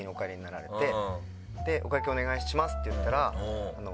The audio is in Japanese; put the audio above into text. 「お会計お願いします」って言ったら。